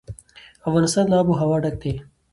افغانستان له آب وهوا ډک دی.